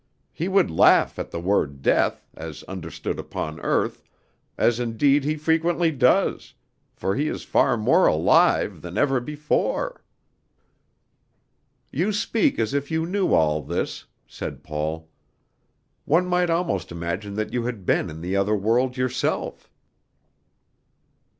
He would laugh at the word death, as understood upon earth, as indeed he frequently does, for he is far more alive than ever before." "You speak as if you knew all this," said Paul. "One might almost imagine that you had been in the other world yourself."